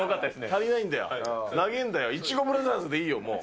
足りないんだよ、なげえんだよ、いちごブラザーズでいいよ、もう。